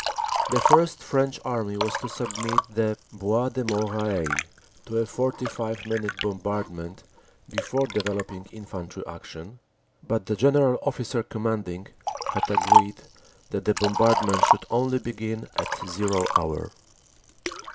The First French Army was to submit the Bois de Moreuil to a 45 minute bombardment before developing infantry action, but the General Officer Commanding had agreed that the bombardment should only begin at "zero" hour.